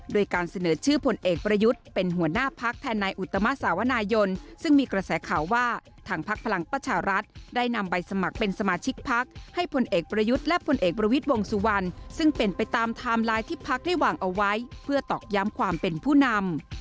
โดยการเสนอชื่อผลเอกประยุทธ์เป็นหัวหน้าพักแทนนายอุตมะสาวนายนซึ่งมีกระแสข่าวว่าทางพักพลังประชารัฐได้นำใบสมัครเป็นสมาชิกพักให้พลเอกประยุทธ์และผลเอกประวิทย์วงสุวรรณซึ่งเป็นไปตามไทม์ไลน์ที่พักได้วางเอาไว้เพื่อตอกย้ำความเป็นผู้นำ